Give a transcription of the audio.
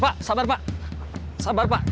kita akan diperbaiki